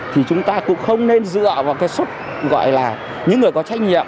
thì chúng ta cũng không nên dựa vào cái xuất gọi là những người có trách nhiệm